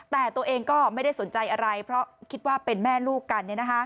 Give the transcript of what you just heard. แต่ตัวเองก็ไม่ได้สนใจอะไรเพราะคิดว่าเป็นแม่ลูกกัน